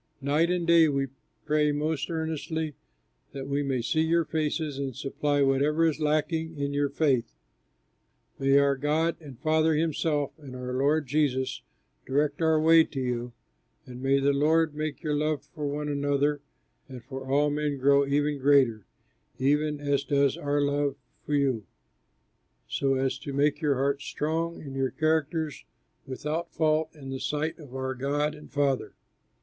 Night and day we pray most earnestly that we may see your faces and supply whatever is lacking in your faith. May our God and Father himself and our Lord Jesus direct our way to you, and may the Lord make your love for one another and for all men grow ever greater, even as does our love for you, so as to make your hearts strong and your characters without fault in the sight of our God and Father.